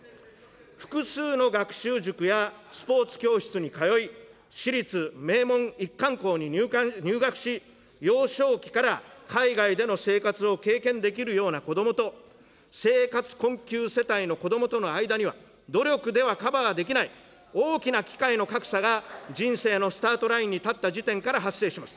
複数の学習塾やスポーツ教室に通い、私立名門一貫校に入学し、幼少期から海外での生活を経験できるような子どもと、生活困窮世帯の子どもとの間には、努力ではカバーできない、大きな機会の格差が人生のスタートラインに立った時点から発生します。